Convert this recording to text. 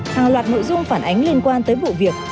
hàng loạt nội dung phản ánh liên quan tới vụ việc